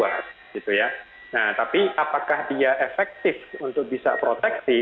nah tapi apakah dia efektif untuk bisa proteksi